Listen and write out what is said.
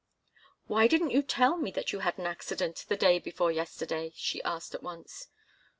"Why didn't you tell me that you had an accident the day before yesterday?" she asked at once.